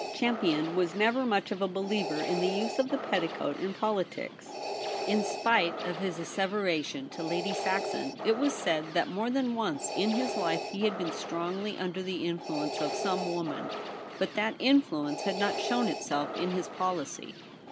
Champion w^as never much of a believer in the use of the petticoat in politics. In spite of his asseveration to 5—2 68 THE REBEL ROSE. Lady Saxon, it was said that more than once in his life he had been strongly under the influence of some woman ; but that influence had not shown itself in his policy.